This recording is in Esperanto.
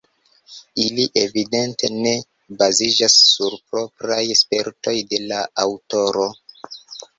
Ili evidente ne baziĝas sur propraj spertoj de la aŭtoro.